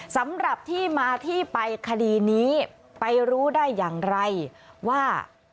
สำหรับที่มาที่ไปคดีนี้ไปรู้ได้อย่างไรว่า